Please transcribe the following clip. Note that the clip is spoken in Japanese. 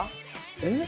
えっ？